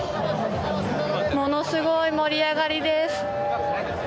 ものすごい盛り上がりです。